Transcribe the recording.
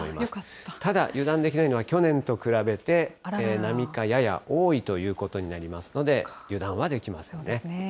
ただ、油断できないのは、去年と比べて並みかやや多いということになりますので、油断はできませんね。